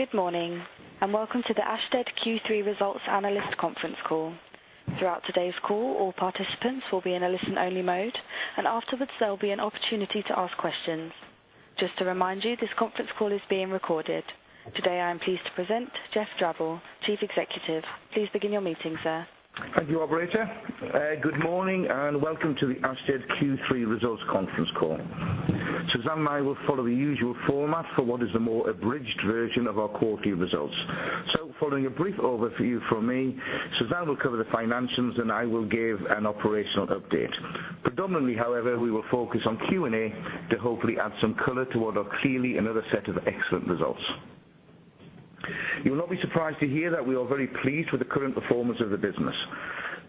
Good morning, and welcome to the Ashtead Q3 Results Analyst Conference Call. Throughout today's call, all participants will be in a listen-only mode, and afterwards there will be an opportunity to ask questions. Just to remind you, this conference call is being recorded. Today, I am pleased to present Geoff Drabble, Chief Executive. Please begin your meeting, sir. Thank you, operator. Good morning, and welcome to the Ashtead Q3 Results conference call. Suzanne and I will follow the usual format for what is a more abridged version of our quarter view results. Following a brief overview from me, Suzanne will cover the financials, and I will give an operational update. Predominantly, however, we will focus on Q&A to hopefully add some color to what are clearly another set of excellent results. You will not be surprised to hear that we are very pleased with the current performance of the business.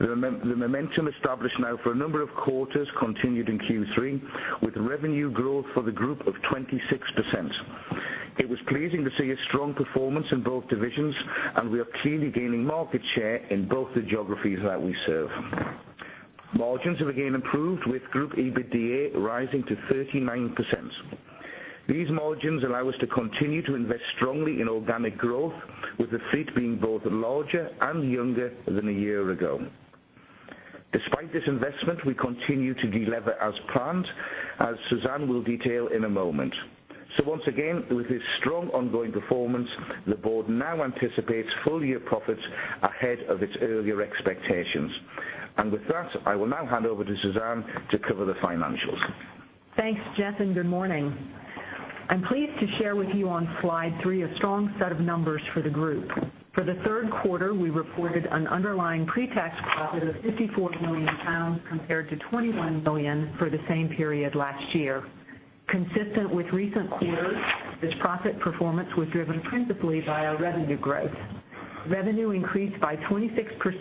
The momentum established now for a number of quarters continued in Q3, with revenue growth for the group of 26%. It was pleasing to see a strong performance in both divisions, and we are clearly gaining market share in both the geographies that we serve. Margins have again improved, with group EBITDA rising to 39%. These margins allow us to continue to invest strongly in organic growth, with the fleet being both larger and younger than a year ago. Despite this investment, we continue to delever as planned, as Suzanne will detail in a moment. With that, with this strong ongoing performance, the board now anticipates full-year profits ahead of its earlier expectations. With that, I will now hand over to Suzanne to cover the financials. Thanks, Geoff, and good morning. I am pleased to share with you on slide three a strong set of numbers for the group. For the third quarter, we reported an underlying pre-tax profit of 54 million pounds, compared to 21 million for the same period last year. Consistent with recent quarters, this profit performance was driven principally by our revenue growth. Revenue increased by 26%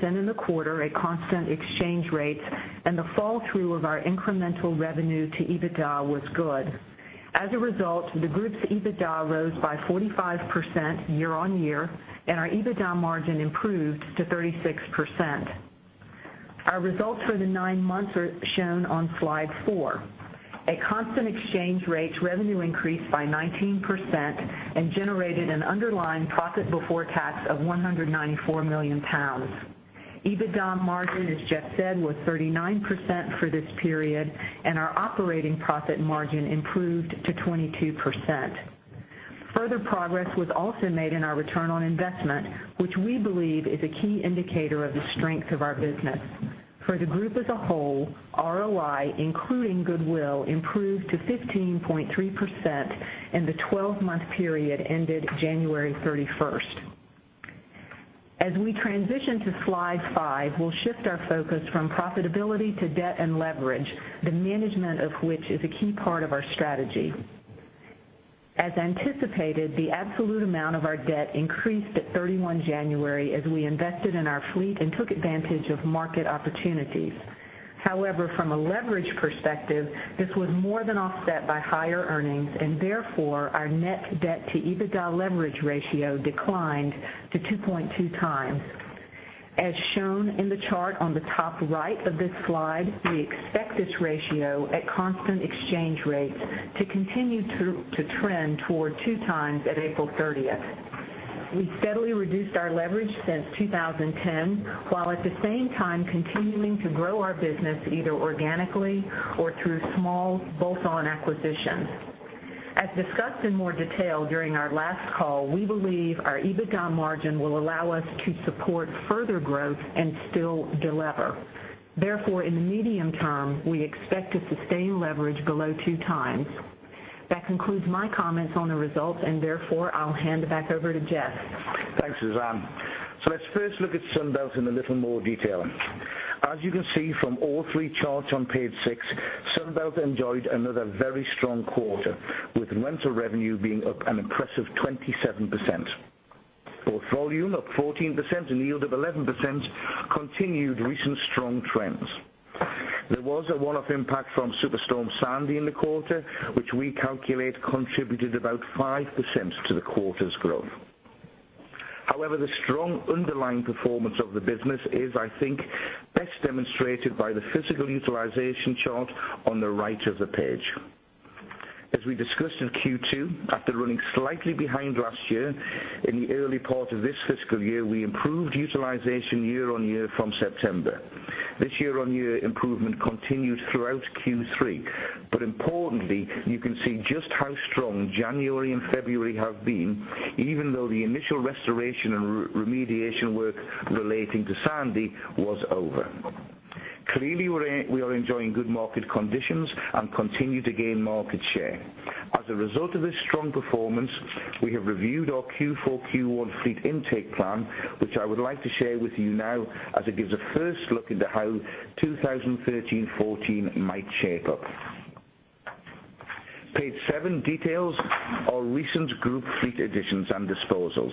in the quarter at constant exchange rates, and the fall-through of our incremental revenue to EBITDA was good. As a result, the group's EBITDA rose by 45% year-on-year, and our EBITDA margin improved to 36%. Our results for the nine months are shown on slide four. At constant exchange rates, revenue increased by 19% and generated an underlying profit before tax of 194 million pounds. EBITDA margin, as Geoff said, was 39% for this period, and our operating profit margin improved to 22%. Further progress was also made in our return on investment, which we believe is a key indicator of the strength of our business. For the group as a whole, ROI, including goodwill, improved to 15.3% in the 12-month period ended January 31st. As we transition to slide five, we'll shift our focus from profitability to debt and leverage, the management of which is a key part of our strategy. As anticipated, the absolute amount of our debt increased at 31 January as we invested in our fleet and took advantage of market opportunities. From a leverage perspective, this was more than offset by higher earnings, and therefore, our net debt to EBITDA leverage ratio declined to 2.2 times. As shown in the chart on the top right of this slide, we expect this ratio at constant exchange rates to continue to trend toward 2.0 times at April 30th. We steadily reduced our leverage since 2010, while at the same time continuing to grow our business either organically or through small bolt-on acquisitions. As discussed in more detail during our last call, we believe our EBITDA margin will allow us to support further growth and still delever. In the medium term, we expect to sustain leverage below two times. That concludes my comments on the results. Therefore, I'll hand it back over to Geoff. Thanks, Suzanne. Let's first look at Sunbelt in a little more detail. As you can see from all three charts on page six, Sunbelt enjoyed another very strong quarter, with rental revenue being up an impressive 27%. Both volume, up 14%, and yield of 11% continued recent strong trends. There was a one-off impact from Superstorm Sandy in the quarter, which we calculate contributed about 5% to the quarter's growth. The strong underlying performance of the business is, I think, best demonstrated by the physical utilization chart on the right of the page. As we discussed in Q2, after running slightly behind last year, in the early part of this fiscal year, we improved utilization year-on-year from September. This year-on-year improvement continued throughout Q3. Importantly, you can see just how strong January and February have been, even though the initial restoration and remediation work relating to Sandy was over. Clearly, we are enjoying good market conditions and continue to gain market share. As a result of this strong performance, we have reviewed our Q4/Q1 fleet intake plan, which I would like to share with you now as it gives a first look into how 2013/14 might shape up. Page seven details our recent group fleet additions and disposals.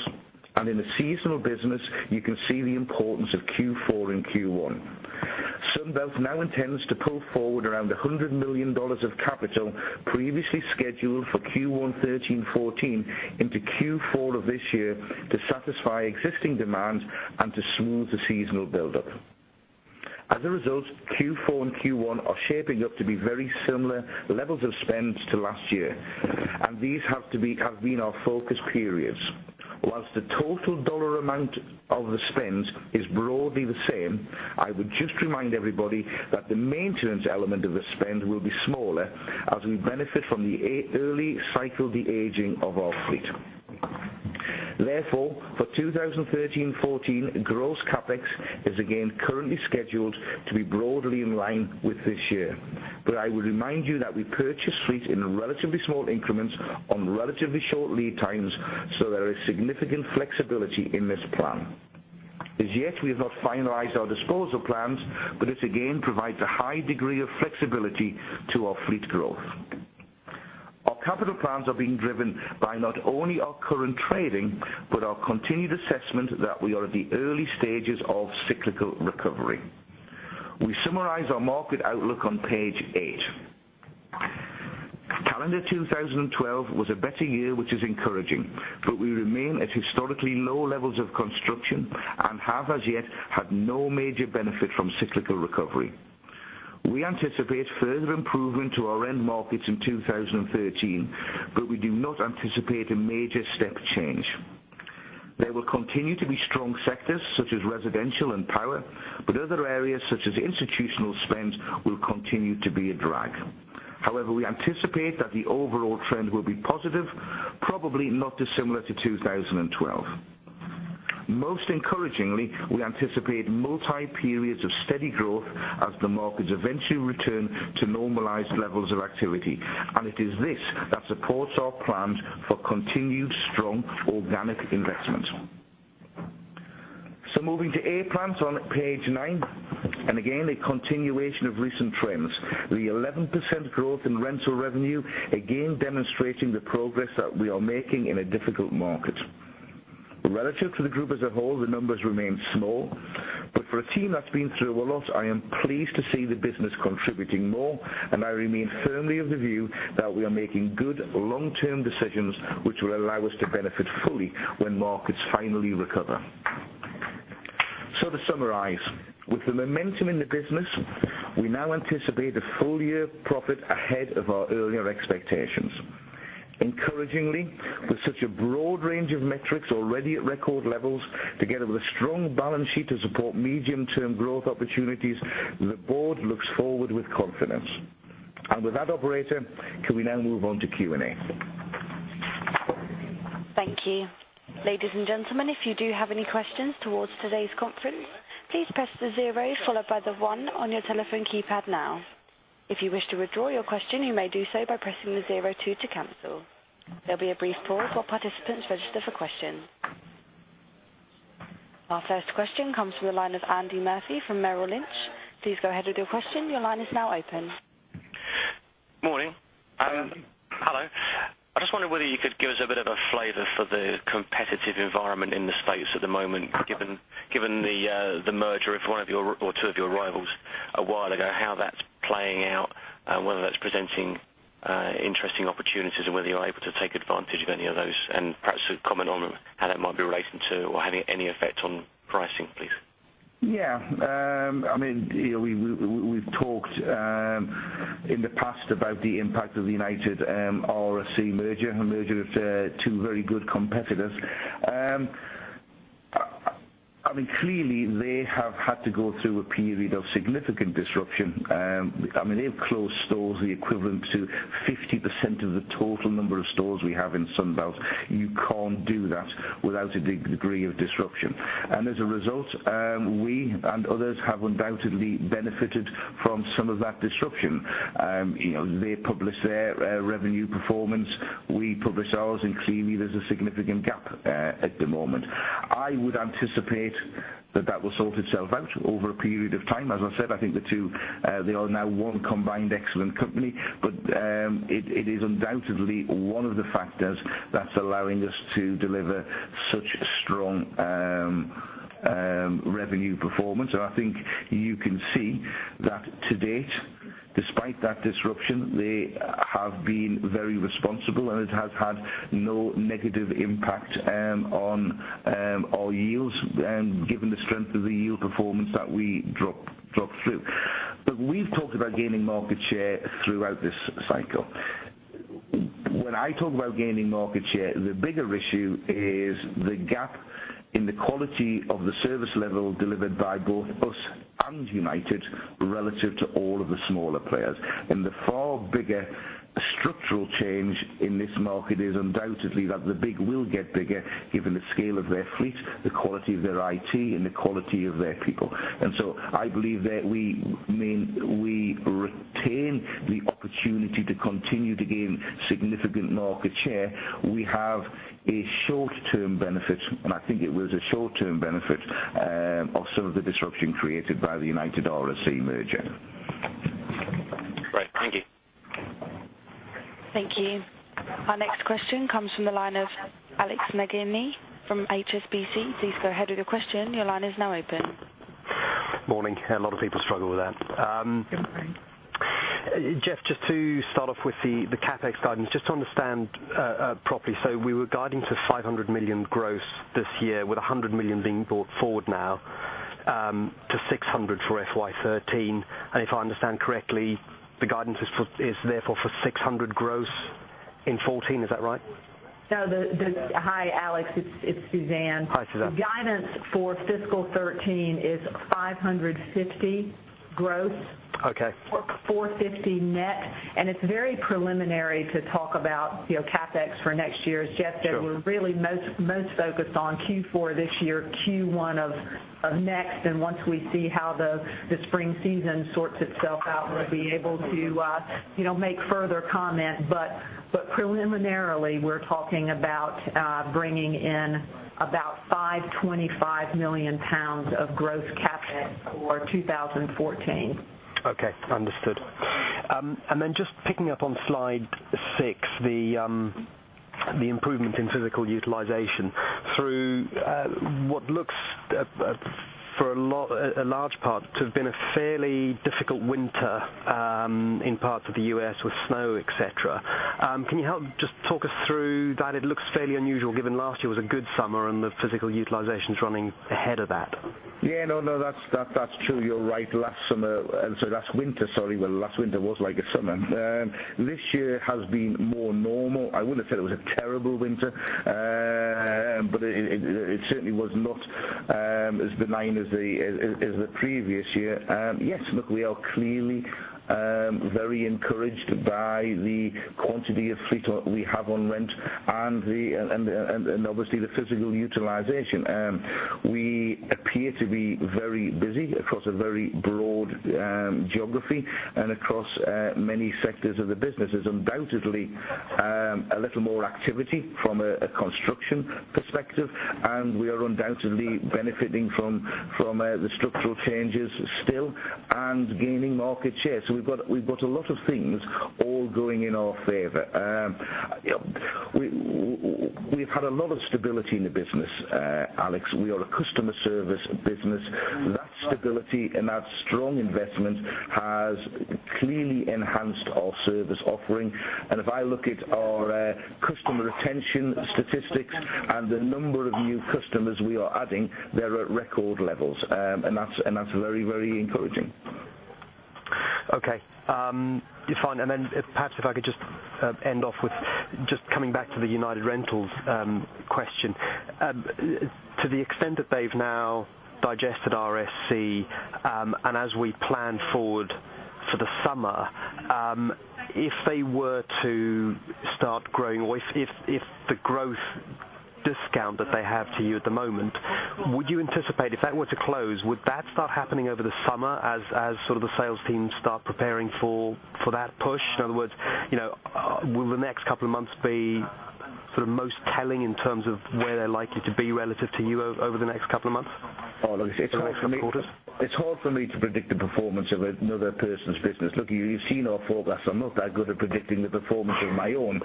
In the seasonal business, you can see the importance of Q4 and Q1. Sunbelt now intends to pull forward around $100 million of capital previously scheduled for Q1 2013/14 into Q4 of this year to satisfy existing demands and to smooth the seasonal buildup. As a result, Q4 and Q1 are shaping up to be very similar levels of spends to last year. These have been our focus periods. Whilst the total dollar amount of the spends is broadly the same, I would just remind everybody that the maintenance element of the spend will be smaller as we benefit from the early cycle de-aging of our fleet. Therefore, for 2013-14, gross CapEx is again currently scheduled to be broadly in line with this year. I would remind you that we purchase fleet in relatively small increments on relatively short lead times, so there is significant flexibility in this plan. As yet, we have not finalized our disposal plans, but this again provides a high degree of flexibility to our fleet growth. Our capital plans are being driven by not only our current trading, but our continued assessment that we are at the early stages of cyclical recovery. We summarize our market outlook on page eight. Calendar 2012 was a better year, which is encouraging. We remain at historically low levels of construction and have as yet had no major benefit from cyclical recovery. We anticipate further improvement to our end markets in 2013. We do not anticipate a major step change. There will continue to be strong sectors such as residential and power, but other areas such as institutional spend will continue to be a drag. However, we anticipate that the overall trend will be positive, probably not dissimilar to 2012. Most encouragingly, we anticipate multi-periods of steady growth as the markets eventually return to normalized levels of activity. It is this that supports our plans for continued strong organic investment. Moving to A-Plant on page nine, again, a continuation of recent trends. The 11% growth in rental revenue, again demonstrating the progress that we are making in a difficult market. Relative to the group as a whole, the numbers remain small. For a team that's been through a lot, I am pleased to see the business contributing more. I remain firmly of the view that we are making good long-term decisions which will allow us to benefit fully when markets finally recover. To summarize, with the momentum in the business, we now anticipate a full year profit ahead of our earlier expectations. Encouragingly, with such a broad range of metrics already at record levels, together with a strong balance sheet to support medium-term growth opportunities, the board looks forward with confidence. With that operator, can we now move on to Q&A? Thank you. Ladies and gentlemen, if you do have any questions towards today's conference, please press the zero followed by the one on your telephone keypad now. If you wish to withdraw your question, you may do so by pressing the zero two to cancel. There'll be a brief pause while participants register for questions. Our first question comes from the line of Andy Murphy from Merrill Lynch. Please go ahead with your question. Your line is now open. Morning. Hi, Andy. Hello. I just wondered whether you could give us a bit of a flavor for the competitive environment in the States at the moment, given the merger of one or two of your rivals a while ago, how that's playing out, and whether that's presenting interesting opportunities, and whether you're able to take advantage of any of those, and perhaps comment on how that might be relating to or having any effect on pricing, please. Yeah. We've talked in the past about the impact of the United RSC merger, a merger of two very good competitors. Clearly, they have had to go through a period of significant disruption. They've closed stores the equivalent to 50% of the total number of stores we have in Sunbelt. You can't do that without a degree of disruption. As a result, we and others have undoubtedly benefited from some of that disruption. They publish their revenue performance, we publish ours, and clearly there's a significant gap at the moment. I would anticipate that that will sort itself out over a period of time. As I said, I think the two, they are now one combined excellent company. It is undoubtedly one of the factors that's allowing us to deliver such strong revenue performance. I think you can see that to date, despite that disruption, they have been very responsible, and it has had no negative impact on our yields, given the strength of the yield performance that we dropped through. We've talked about gaining market share throughout this cycle. When I talk about gaining market share, the bigger issue is the gap in the quality of the service level delivered by both us and United relative to all of the smaller players. The far bigger structural change in this market is undoubtedly that the big will get bigger given the scale of their fleet, the quality of their IT, and the quality of their people. I believe that we retain the opportunity to continue to gain significant market share. We have a short-term benefit, and I think it was a short-term benefit of some of the disruption created by the United RSC merger. Right. Thank you. Thank you. Our next question comes from the line of Alex Nagirny from HSBC. Please go ahead with your question. Your line is now open. Morning. A lot of people struggle with that. Geoff, just to start off with the CapEx guidance, just to understand properly. We were guiding to 500 million gross this year with 100 million being brought forward now to 600 million for FY 2013. If I understand correctly, the guidance is therefore for 600 million gross in 2014, is that right? No. Hi, Alex. It's Suzanne. Hi, Suzanne. The guidance for fiscal 2013 is 550 million gross. Okay. 450 net. It's very preliminary to talk about CapEx for next year. As Geoff said. Sure. We're really most focused on Q4 this year, Q1 of next, and once we see how the spring season sorts itself out, we'll be able to make further comment. Preliminarily, we're talking about bringing in about 525 million pounds of gross CapEx for 2014. Okay. Understood. Then just picking up on slide six, the improvement in physical utilization through what looks, for a large part, to have been a fairly difficult winter in parts of the U.S. with snow, et cetera. Can you help just talk us through that? It looks fairly unusual given last year was a good summer and the physical utilization's running ahead of that. Yeah. No, that's true. You're right. Last winter was like a summer. This year has been more normal. I wouldn't have said it was a terrible winter. It certainly was not as benign as the previous year. Yes, look, we are clearly very encouraged by the quantity of fleet we have on rent and obviously the physical utilization. We appear to be very busy across a very broad geography and across many sectors of the business. There's undoubtedly a little more activity from a construction perspective, and we are undoubtedly benefiting from the structural changes still and gaining market share. We've got a lot of things all going in our favor. We've had a lot of stability in the business, Alex. We are a customer service business. That stability and that strong investment has clearly enhanced our service offering. If I look at our customer retention statistics and the number of new customers we are adding, they're at record levels. That's very encouraging. Okay. Fine. Perhaps if I could just end off with just coming back to the United Rentals question. To the extent that they've now digested RSC, as we plan forward for the summer, if they were to start growing or if the growth discount that they have to you at the moment, would you anticipate if that were to close, would that start happening over the summer as sort of the sales team start preparing for that push? In other words, will the next couple of months be sort of most telling in terms of where they're likely to be relative to you over the next couple of months? Oh, look, it's hard for me to predict the performance of another person's business. Look, you've seen our forecast. I'm not that good at predicting the performance of my own.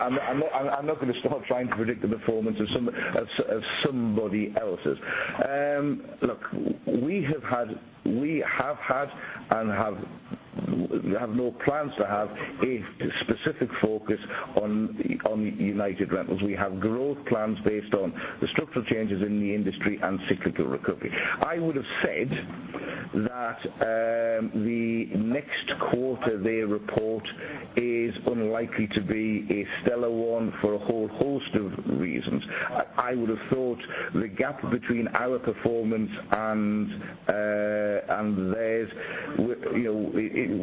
I'm not going to start trying to predict the performance of somebody else's. Look, we have had and have no plans to have a specific focus on United Rentals. We have growth plans based on the structural changes in the industry and cyclical recovery. I would've said that the next quarter they report is unlikely to be a stellar one for a whole host of reasons. I would have thought the gap between our performance and theirs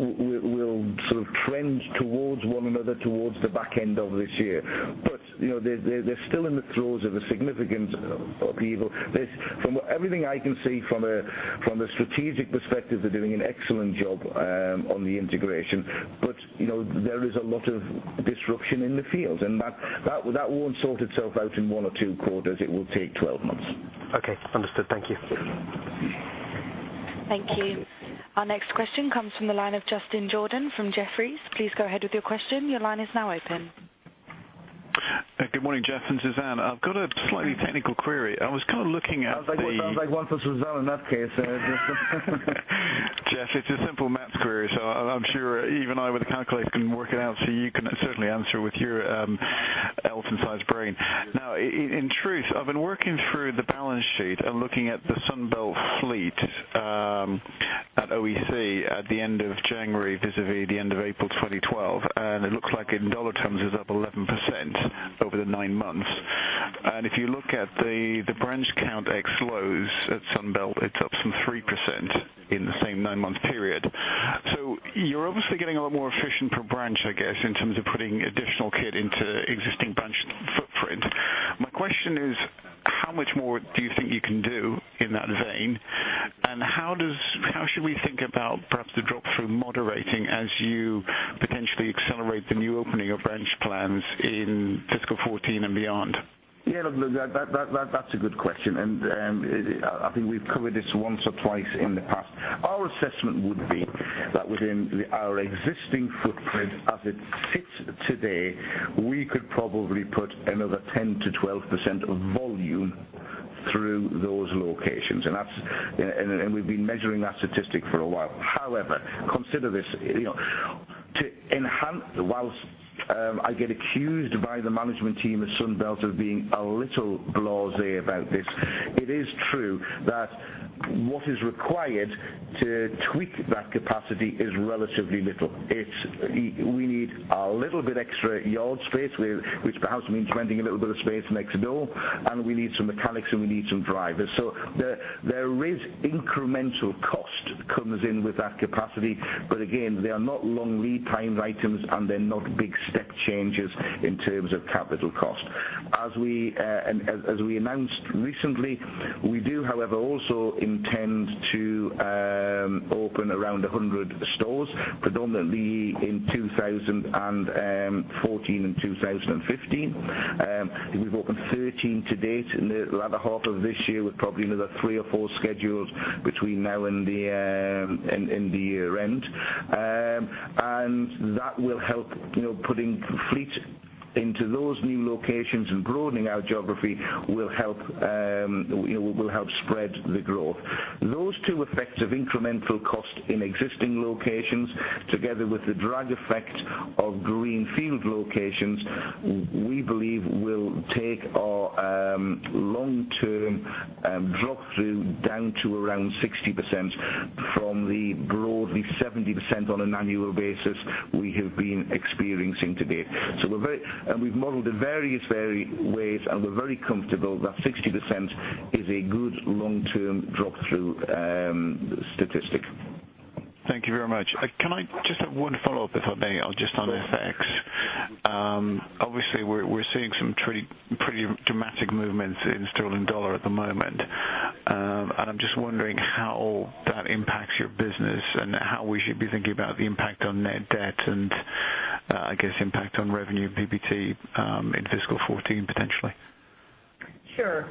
will sort of trend towards one another towards the back end of this year. They're still in the throes of a significant upheaval. From everything I can see from a strategic perspective, they're doing an excellent job on the integration. There is a lot of disruption in the field, and that won't sort itself out in one or two quarters. It will take 12 months. Okay. Understood. Thank you. Thank you. Our next question comes from the line of Justin Jordan from Jefferies. Please go ahead with your question. Your line is now open. Good morning, Geoff and Suzanne. I've got a slightly technical query. Sounds like one for Suzanne in that case. Geoff, it's a simple math query, I'm sure even I with a calculator can work it out. You can certainly answer with your elephant-sized brain. In truth, I've been working through the balance sheet and looking at the Sunbelt fleet, at OEC at the end of January, vis-a-vis the end of April 2012, and it looks like in $ terms it's up 11% over the nine months. If you look at the branch count ex-Lowe's at Sunbelt, it's up some 3% in the same nine-month period. You're obviously getting a lot more efficient per branch, I guess, in terms of putting additional kit into existing branch footprint. My question is, how much more do you think you can do in that vein, and how should we think about perhaps the drop-through moderating as you potentially accelerate the new opening of branch plans in fiscal 2014 and beyond? Yeah, look, that's a good question. I think we've covered this once or twice in the past. Our assessment would be that within our existing footprint as it today, we could probably put another 10%-12% of volume through those locations. We've been measuring that statistic for a while. However, consider this. While I get accused by the management team of Sunbelt of being a little blasé about this, it is true that what is required to tweak that capacity is relatively little. We need a little bit extra yard space, which perhaps means renting a little bit of space next door, and we need some mechanics, and we need some drivers. There is incremental cost comes in with that capacity. Again, they are not long lead time items, and they're not big step changes in terms of capital cost. As we announced recently, we do, however, also intend to open around 100 stores, predominantly in 2014 and 2015. We've opened 13 to date in the latter half of this year, with probably another three or four scheduled between now and the year-end. That will help, putting fleet into those new locations and broadening our geography will help spread the growth. Those two effects of incremental cost in existing locations, together with the drag effect of greenfield locations, we believe will take our long-term drop-through down to around 60% from the broadly 70% on an annual basis we have been experiencing to date. We've modeled the various ways, and we're very comfortable that 60% is a good long-term drop-through statistic. Thank you very much. Can I just have one follow-up, if I may, just on FX? Obviously, we're seeing some pretty dramatic movements in sterling-dollar at the moment. I'm just wondering how that impacts your business and how we should be thinking about the impact on net debt and, I guess, impact on revenue PBT in fiscal 2014, potentially. Sure.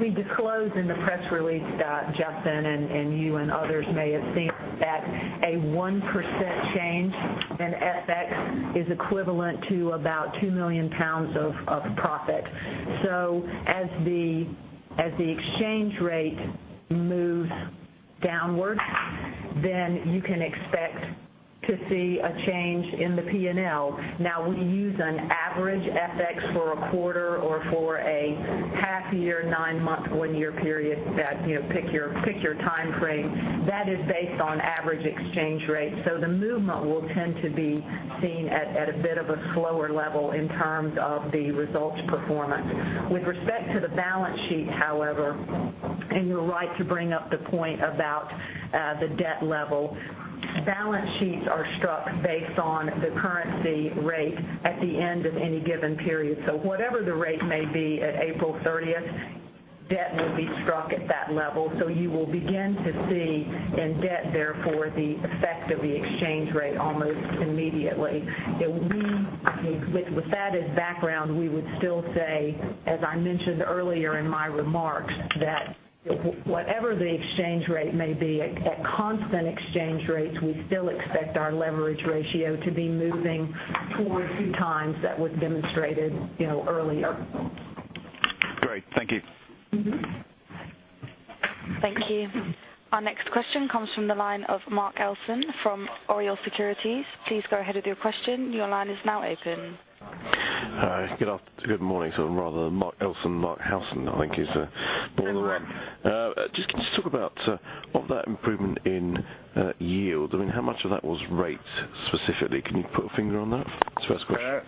We disclosed in the press release that Justin and you and others may have seen that a 1% change in FX is equivalent to about 2 million pounds of profit. As the exchange rate moves downwards, then you can expect to see a change in the P&L. We use an average FX for a quarter or for a half year, 9 month, 1 year period that, pick your time frame. That is based on average exchange rates. The movement will tend to be seen at a bit of a slower level in terms of the results performance. With respect to the balance sheet, however, you're right to bring up the point about the debt level. Balance sheets are struck based on the currency rate at the end of any given period. Whatever the rate may be at April 30th, debt will be struck at that level. You will begin to see in debt, therefore, the effect of the exchange rate almost immediately. With that as background, we would still say, as I mentioned earlier in my remarks, that whatever the exchange rate may be, at constant exchange rates, we still expect our leverage ratio to be moving towards the times that was demonstrated earlier. Great. Thank you. Thank you. Our next question comes from the line of [Mark Elton] from Oriel Securities. Please go ahead with your question. Your line is now open. Hi. Good morning to them, rather. [Mark Elson, Mark Halsen], I think is more the one. That's right. Just can you talk about of that improvement in yield, how much of that was rates specifically? Can you put a finger on that? First question.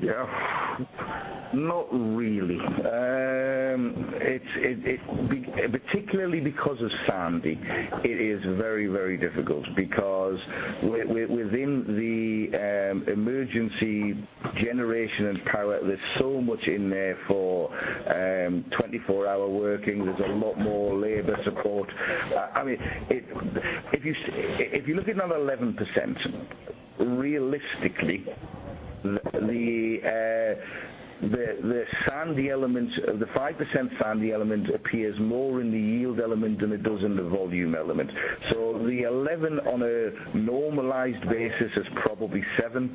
Yeah. Not really. Particularly because of Sandy, it is very, very difficult because within the emergency generation and power, there's so much in there for 24-hour working. There's a lot more labor support. If you look at another 11%, realistically, the 5% Sandy element appears more in the yield element than it does in the volume element. The 11 on a normalized basis is probably 7%,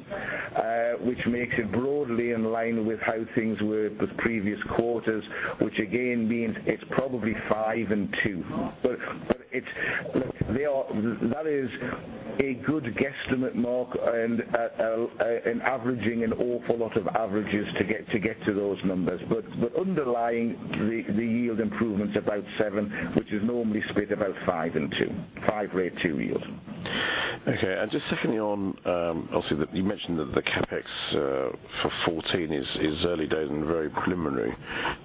which makes it broadly in line with how things were with previous quarters, which again means it's probably 5% and 2%. That is a good guesstimate, Mark, and averaging an awful lot of averages to get to those numbers. Underlying the yield improvement's about 7%, which is normally split about 5% and 2%. 5% rate, 2% yield. Okay. Just secondly on, obviously, you mentioned that the CapEx for 2014 is early days and very preliminary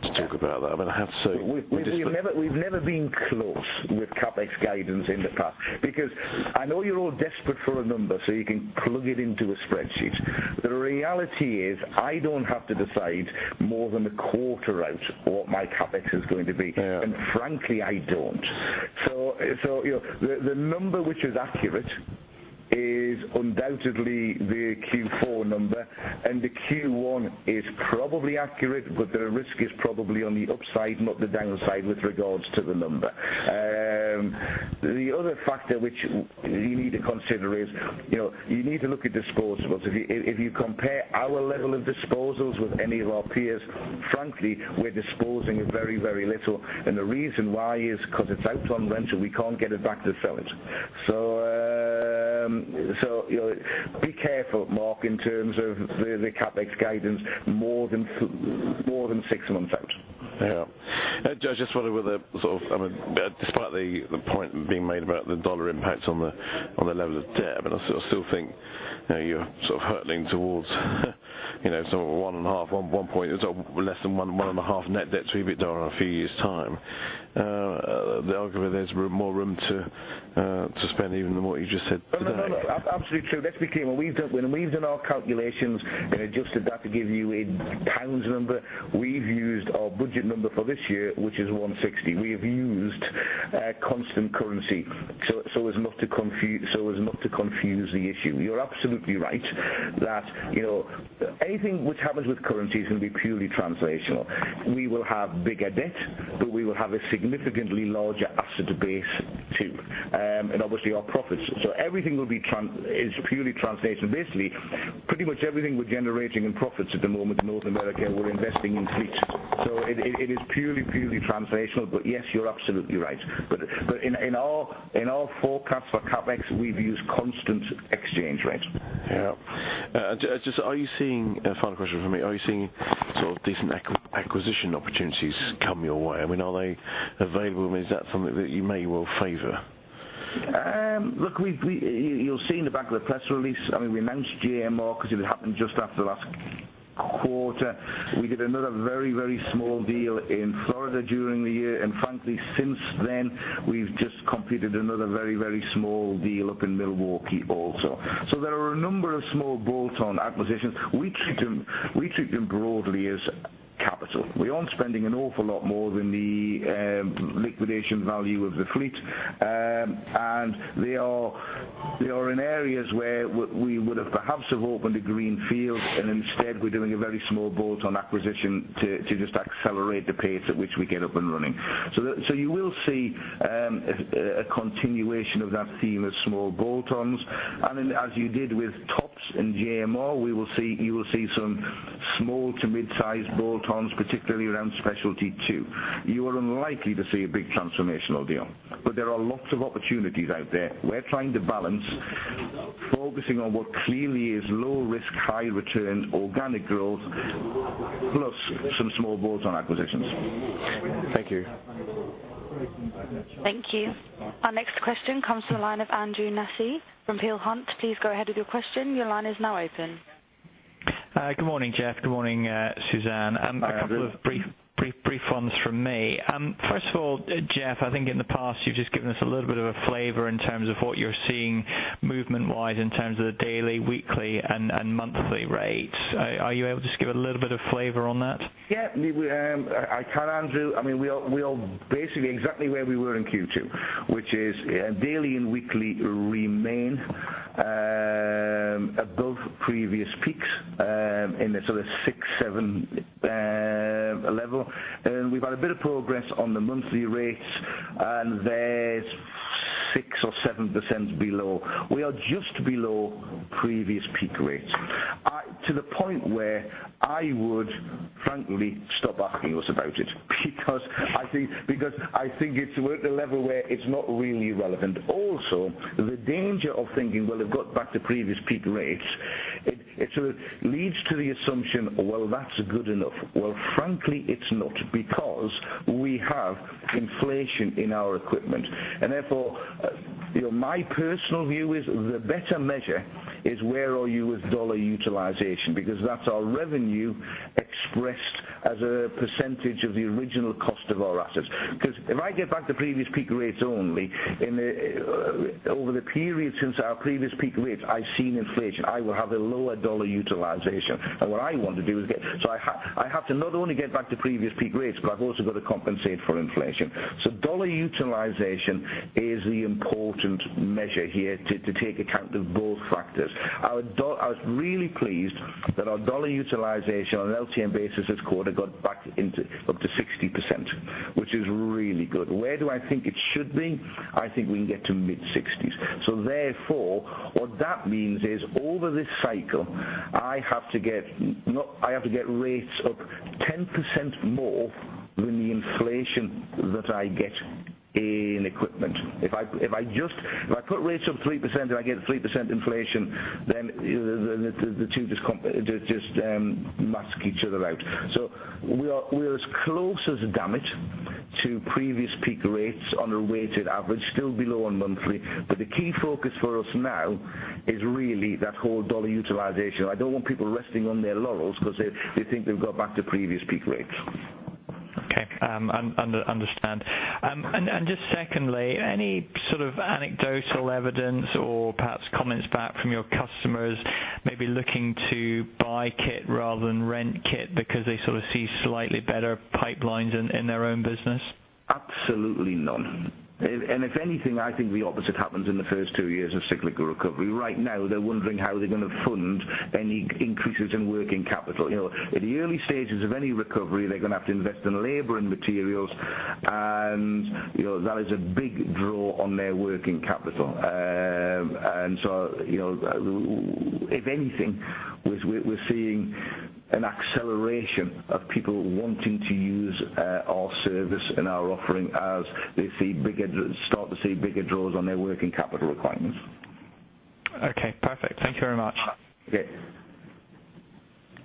to talk about that. I have to say- We've never been close with CapEx guidance in the past. Because I know you're all desperate for a number so you can plug it into a spreadsheet. The reality is I don't have to decide more than a quarter out what my CapEx is going to be. Yeah. Frankly, I don't. The number which is accurate is undoubtedly the Q4 number, and the Q1 is probably accurate, but the risk is probably on the upside, not the downside with regards to the number. The other factor which you need to consider is, you need to look at disposals. If you compare our level of disposals with any of our peers, frankly, we're disposing of very little. The reason why is because it's out on rental, we can't get it back to sell it. Be careful, Mark, in terms of the CapEx guidance more than six months out. Yeah. I just wondered whether, despite the point being made about the dollar impact on the level of debt, I still think you're hurtling towards sort of 1.5, or less than 1.5 net debt to EBITDA in a few years time. The argument there's more room to spend even than what you just said today. No, absolutely true. That's became when we've done our calculations and adjusted that to give you a GBP number, we've used our budget number for this year, which is 160. We have used constant currency, so as not to confuse the issue. You're absolutely right. Anything which happens with currency is going to be purely translational. We will have bigger debt, but we will have a significantly larger asset base too. Obviously our profits. Everything is purely translational. Basically, pretty much everything we're generating in profits at the moment in North America, we're investing in fleet. It is purely translational. Yes, you're absolutely right. In our forecast for CapEx, we've used constant exchange rates. Yeah. Final question from me. Are you seeing decent acquisition opportunities come your way? Are they available? Is that something that you may well favor? Look, you'll see in the back of the press release, we announced JMO because it happened just after last quarter. We did another very small deal in Florida during the year, frankly since then, we've just completed another very small deal up in Milwaukee also. There are a number of small bolt-on acquisitions. We treat them broadly as capital. We aren't spending an awful lot more than the liquidation value of the fleet. They are in areas where we would have perhaps have opened a greenfield, instead we're doing a very small bolt-on acquisition to just accelerate the pace at which we get up and running. You will see a continuation of that theme of small bolt-ons. Then as you did with Topp and JMO, you will see some small to mid-size bolt-ons, particularly around specialty too. You are unlikely to see a big transformational deal. There are lots of opportunities out there. We're trying to balance focusing on what clearly is low risk, high return organic growth, plus some small bolt-on acquisitions. Thank you. Thank you. Our next question comes from the line of Andrew Nussey from Peel Hunt. Please go ahead with your question. Your line is now open. Good morning, Geoff. Good morning, Suzanne. Morning, Andrew. A couple of brief ones from me. Geoff, I think in the past you've just given us a little bit of a flavor in terms of what you're seeing movement-wise in terms of the daily, weekly, and monthly rates. Are you able to just give a little bit of flavor on that? Yeah. I can, Andrew. We are basically exactly where we were in Q2, which is daily and weekly remain above previous peaks, in the 6, 7 level. We've had a bit of progress on the monthly rates, and they're 6% or 7% below. We are just below previous peak rates. To the point where I would frankly stop asking us about it, because I think it's at the level where it's not really relevant. Also, the danger of thinking, well they've got back to previous peak rates, it leads to the assumption, well that's good enough. Well, frankly it's not because we have inflation in our equipment. Therefore, my personal view is the better measure is where are you with Dollar Utilization because that's our revenue expressed as a percentage of the original cost of our assets. If I get back to previous peak rates only, over the period since our previous peak rates, I've seen inflation. I will have a lower Dollar Utilization. What I want to do is I have to not only get back to previous peak rates, but I've also got to compensate for inflation. Dollar Utilization is the important measure here to take account of both factors. I was really pleased that our Dollar Utilization on an LTM basis this quarter got back up to 60%, which is really good. Where do I think it should be? I think we can get to mid-60s. Therefore, what that means is over this cycle, I have to get rates up 10% more than the inflation that I get in equipment. If I put rates up 3% and I get 3% inflation, the two just mask each other out. We are as close as we've been to previous peak rates on a weighted average, still below on monthly. The key focus for us now is really that whole dollar utilization. I don't want people resting on their laurels because they think they've got back to previous peak rates. Okay. Understand. Just secondly, any sort of anecdotal evidence or perhaps comments back from your customers maybe looking to buy kit rather than rent kit because they sort of see slightly better pipelines in their own business? Absolutely none. If anything, I think the opposite happens in the first two years of cyclical recovery. Right now, they're wondering how they're going to fund any increases in working capital. In the early stages of any recovery, they're going to have to invest in labor and materials. That is a big draw on their working capital. If anything, we're seeing an acceleration of people wanting to use our service and our offering as they start to see bigger draws on their working capital requirements. Okay, perfect. Thank you very much. Okay.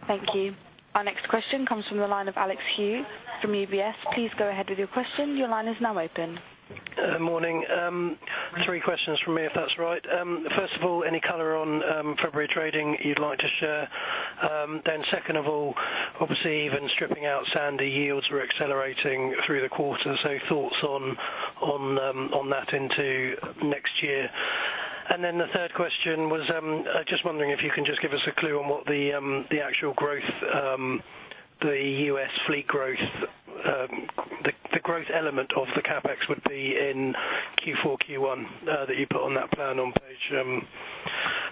Thank you. Our next question comes from the line of Alex Ho from UBS. Please go ahead with your question. Your line is now open. Morning. Three questions from me, if that's all right. First of all, any color on February trading you'd like to share? Second of all, obviously, even stripping out Sandy, yields were accelerating through the quarter. Thoughts on that into next year. The third question was, just wondering if you can just give us a clue on what the actual growth, the U.S. fleet growth, the growth element of the CapEx would be in Q4, Q1 that you put on that plan on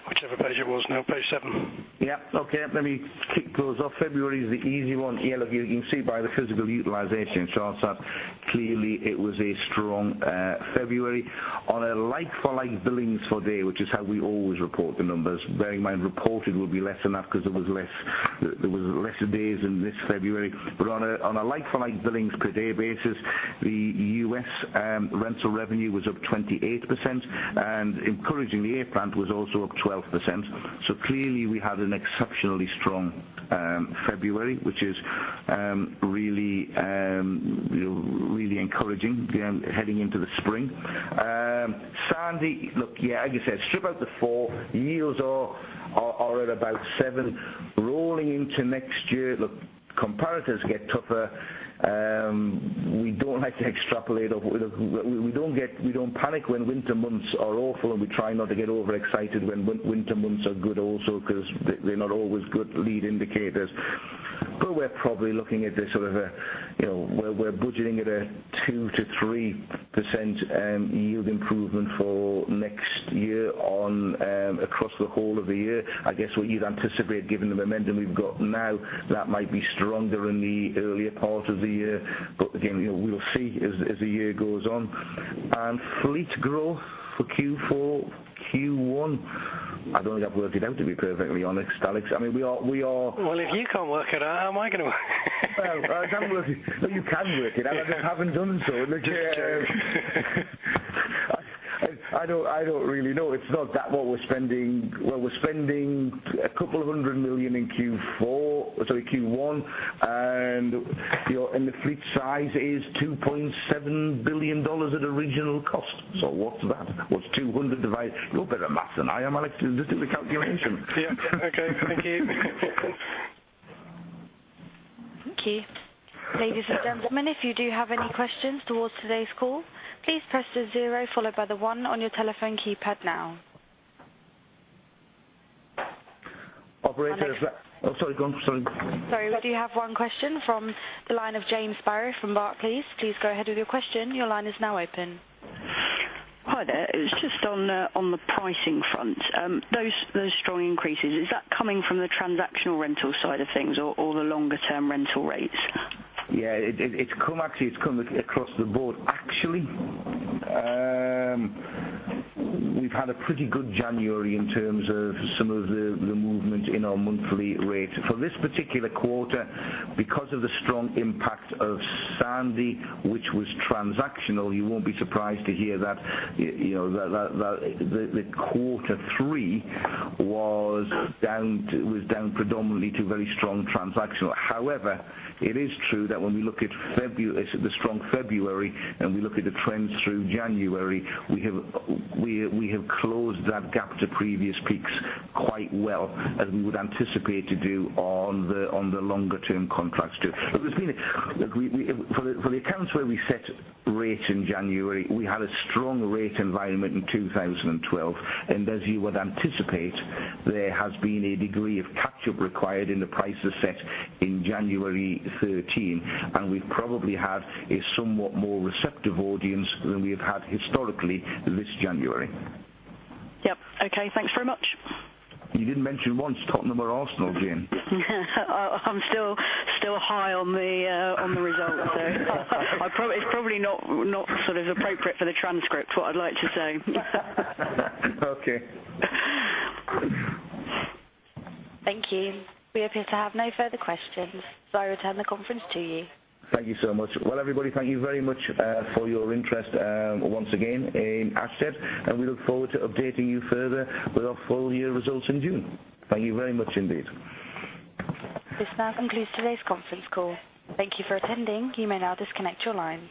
whichever page it was. No, page seven. Yeah. Okay. Let me kick those off. February is the easy one. You can see by the physical utilization charts that clearly it was a strong February. On a like for like billings per day, which is how we always report the numbers, bear in mind, reported will be less than that because there was less days in this February. On a like for like billings per day basis, the U.S. rental revenue was up 28%, and encouragingly, A-Plant was also up 12%. Clearly we had an exceptionally strong February, which is really encouraging heading into the spring. Sandy, look, yeah, like I said, strip out the four, yields are at about seven. Rolling into next year, look, comparators get tougher. We don't like to extrapolate. We don't panic when winter months are awful, and we try not to get overexcited when winter months are good also because they're not always good lead indicators. We're probably looking at this sort of a-- We're budgeting at a 2%-3% yield improvement for next year across the whole of the year. I guess what you'd anticipate, given the momentum we've got now, that might be stronger in the earlier part of the year. Again, we'll see as the year goes on. Fleet growth for Q4, Q1, I don't think I've worked it out, to be perfectly honest, Alex. if you can't work it out, how am I going to work it out? you can work it out. I just haven't done so. Just checking. I don't really know. It's not that what we're spending. We're spending a couple of $100 million in Q4, sorry, Q1, and the fleet size is $2.7 billion at original cost. What's that? What's 200 divided You're better at math than I am, Alex. You do the calculation. Yeah. Okay. Thank you. Thank you. Ladies and gentlemen, if you do have any questions towards today's call, please press the zero followed by the one on your telephone keypad now. Operator. Sorry, go on. Sorry. Sorry. We do have one question from the line of Jane Sparrow from Barclays. Please go ahead with your question. Your line is now open. Hi there. It's just on the pricing front. Those strong increases, is that coming from the transactional rental side of things or the longer-term rental rates? Yeah. Actually, it's come across the board. Actually, we've had a pretty good January in terms of some of the movement in our monthly rate. For this particular quarter, because of the strong impact of Sandy, which was transactional, you won't be surprised to hear that quarter three was down predominantly to very strong transactional. However, it is true that when we look at the strong February and we look at the trends through January, we have closed that gap to previous peaks quite well, as we would anticipate to do on the longer-term contracts, too. For the accounts where we set rates in January, we had a strong rate environment in 2012, and as you would anticipate, there has been a degree of catch-up required in the prices set in January 2013, and we probably had a somewhat more receptive audience than we have had historically this January. Yep. Okay. Thanks very much. You didn't mention once Tottenham or Arsenal, Jane. I'm still high on the results there. It's probably not sort of appropriate for the transcript, what I'd like to say. Okay. Thank you. We appear to have no further questions, I return the conference to you. Thank you so much. Well, everybody, thank you very much for your interest once again in Ashtead. We look forward to updating you further with our full year results in June. Thank you very much indeed. This now concludes today's conference call. Thank you for attending. You may now disconnect your line.